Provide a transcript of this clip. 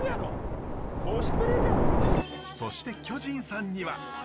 そして巨人さんには。